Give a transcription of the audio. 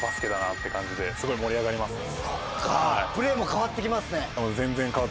って感じですごい盛り上がりますね。